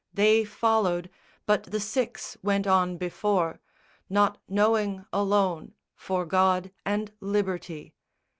They followed; but the Six went on before, Not knowing, alone, for God and Liberty.